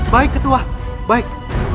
baik ketua baik